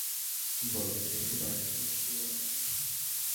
বলতে চাইছো বায়োসিন এটাকে বানিয়েছে?